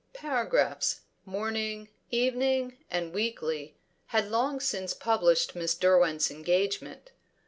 Paragraphs, morning, evening, and weekly, had long since published Miss Derwent's engagement.